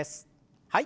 はい。